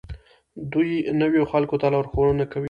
دوی نویو خلکو ته لارښوونه کوي.